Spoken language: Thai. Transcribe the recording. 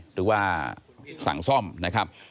หรือว่าสั่งซ่อมนะครับ